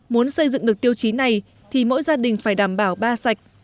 muốn xây dựng được tiêu chí này thì mỗi gia đình phải đảm bảo ba sạch